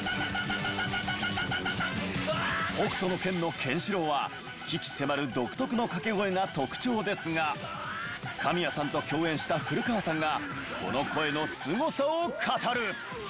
『北斗の拳』のケンシロウは鬼気迫る独特の掛け声が特徴ですが神谷さんと共演した古川さんがこの声のスゴさを語る！